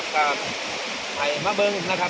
พวกมันกำลังพูดได้